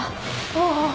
ああ。